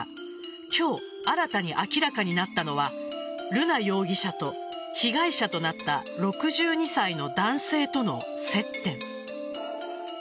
今日、新たに明らかになったのは瑠奈容疑者と、被害者となった６２歳の男性との接点。